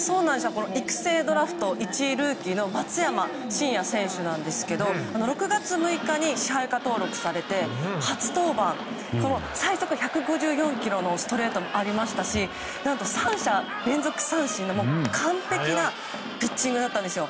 育成ドラフトで１位ルーキーの松山晋也選手なんですけど６月６日に支配下登録されて初登板して、最速１４０キロのストレートもありましたし何と３者連続三振という完璧なピッチングでした。